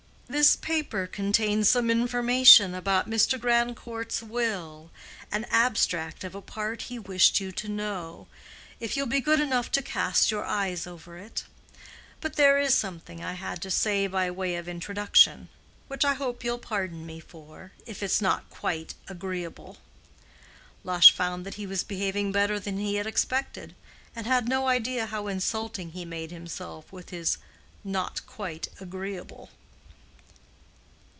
"This paper contains some information about Mr. Grandcourt's will, an abstract of a part he wished you to know—if you'll be good enough to cast your eyes over it. But there is something I had to say by way of introduction—which I hope you'll pardon me for, if it's not quite agreeable." Lush found that he was behaving better than he had expected, and had no idea how insulting he made himself with his "not quite agreeable."